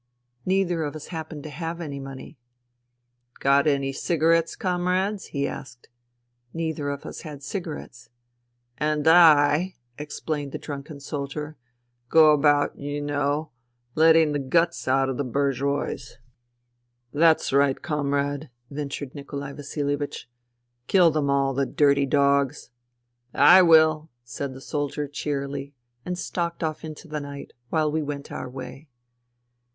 Neither of us happened to have any money. " Got any cigarettes, Comrades ?" he asked. Neither of us had cigarettes. "And I," explained the drunken soldier, "go about, you know, letting the guts out of the hour gouysr 106 FUTILITY " That's right, Comrade," ventured Nikolai Vasilie vich. Kill them all, the dirty dogs I " "I will," said the soldier cheerily, and stalked off into the night, while we went our way.